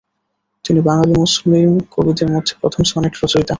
তিনি বাঙালি মুসলিম কবিদের মধ্যে প্রথম সনেট রচয়িতা।